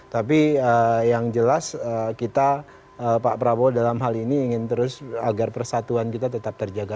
tapi yang jelas kita pak prabowo dalam hal ini ingin terus agar persatuan kita tetap terjaga